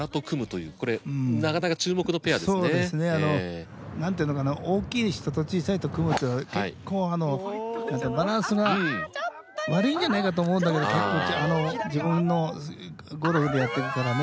そうですねあのなんていうのかな大きい人と小さい人組むと結構あの何かバランスが悪いんじゃないかと思うんだけど結構あの自分のゴルフでやってるからね。